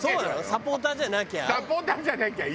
サポーターじゃなきゃいいわよ。